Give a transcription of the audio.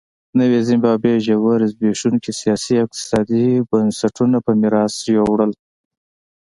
نوې زیمبابوې ژور زبېښونکي سیاسي او اقتصادي بنسټونه په میراث یووړل.